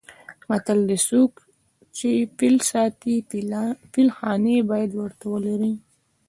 متل دی: څوک چې فیل ساتي فیل خانې باید ورته ولري.